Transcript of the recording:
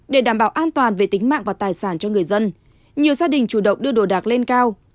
để đảm bảo an toàn về tính mạng và tài sản cho người dân nhiều gia đình chủ động đưa đồ đạc lên cao